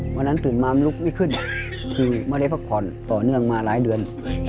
วันนั้นตื่นมาลูกไม่ขึ้นถึงเมื่อเรียบข้อนต่อเนื่องมาหลายเดือน